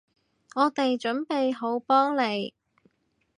我哋準備好幫你